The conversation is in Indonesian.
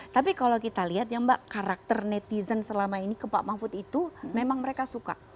tapi kalau kita lihat ya mbak karakter netizen selama ini ke pak mahfud itu memang mereka suka